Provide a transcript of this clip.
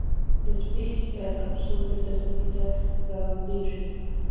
د سپېس کیپسول بېرته ځمکې ته رالوېږي.